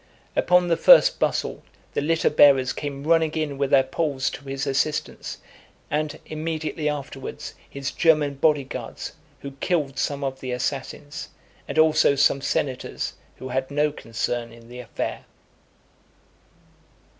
Upon the first bustle, the litter bearers came running in with their poles to his assistance, and, immediately afterwards, his German body guards, who killed some of the assassins, and also some senators who had no concern in the affair.